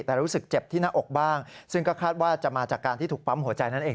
แต่รู้สึกเจ็บที่หน้าอกบ้างซึ่งก็คาดว่าจะมาจากการที่ถูกปั๊มหัวใจนั่นเอง